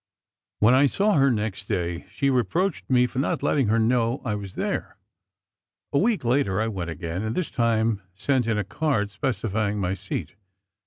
When I saw her next day, she reproached me for not letting her know I was there. A week later, I went again, and this time sent in a card, specifying my seat.